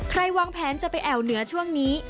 วางแผนจะไปแอวเหนือช่วงนี้